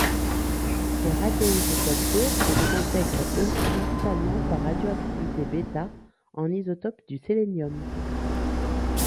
Les radioisotopes lourds se désintègrent eux principalement par radioactitivité β, en isotopes du sélénium.